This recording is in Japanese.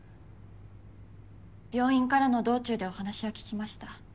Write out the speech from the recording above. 病院からの道中でお話は聞きました。